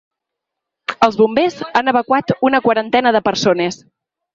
Els bombers han evacuat una quarantena de persones.